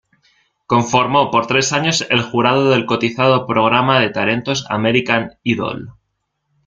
Conformó por tres años el jurado del cotizado programa de talentos American Idol.